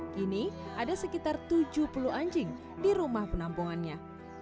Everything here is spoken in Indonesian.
kini ada sekitar tujuh puluh anjing di rumah penampungannya